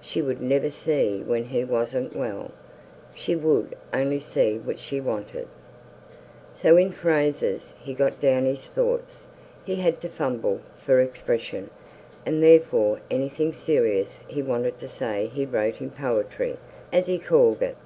She would never see when he wasn't well, She would only see what she wanted " So, in phrases, he got down his thoughts. He had to fumble for expression, and therefore anything serious he wanted to say he wrote in "poetry", as he called it.